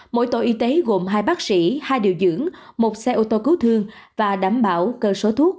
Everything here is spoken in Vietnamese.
mỗi tổ y tế gồm hai bác sĩ hai điều dưỡng một xe ô tô cứu thương và đảm bảo cơ số thuốc